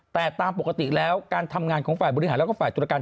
แต่ตามปกติแล้วการทำงานของฝ่ายบริหารแล้วก็ฝ่ายธุรการ